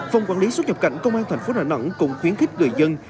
phòng quản lý xuất nhập cảnh công an thành phố đà nẵng cũng khuyến khích người dân